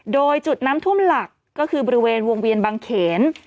โดยจุดน้ำท่วมหลักก็คือบริเวณวงเวียนบางเขน